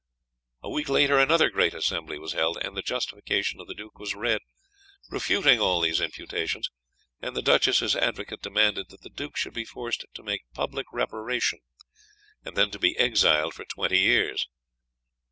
A week later another great assembly was held, and the justification of the duke was read, refuting all these imputations, and the duchess's advocate demanded that the duke should be forced to make public reparation, and then to be exiled for twenty years.